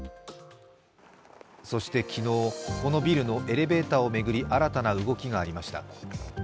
そして昨日、このビルのエレベーターを巡り新たな動きがありました。